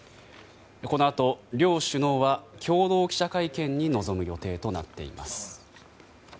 このあと両首脳は共同記者会見に臨む予定となっています。